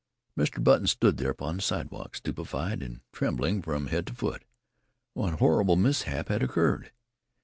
Mr. Button stood there upon the sidewalk, stupefied and trembling from head to foot. What horrible mishap had occurred?